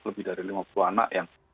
lebih dari lima puluh anak yang